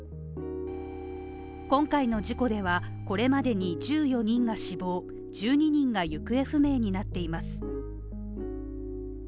今回の事故では、これまでに１４人が死亡、１２人が行方不明になっています。